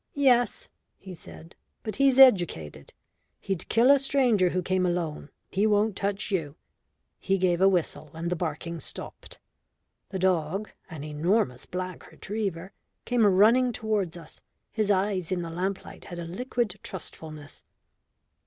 "Yes," he said. "But he's educated. He'd kill a stranger who came alone; he won't touch you." He gave a whistle and the barking stopped. The dog, an enormous black retriever, came running towards us; his eyes in the lamplight had a liquid trustfulness.